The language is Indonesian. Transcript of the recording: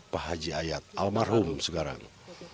pak haji ayat almarhum sekarang